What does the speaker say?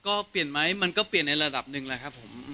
ก็เปลี่ยนไหมมันก็เปลี่ยนในระดับหนึ่งแหละครับผม